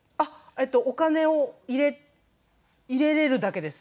お金を入れられるだけです。